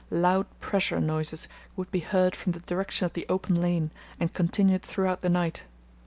loud pressure noises would be heard from the direction of the open lane and continued throughout the night.